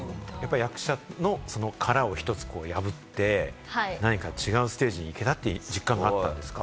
役者の殻を一つ破って、違うステージに行けたという実感があったんですか？